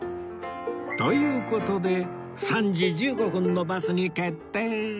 という事で３時１５分のバスに決定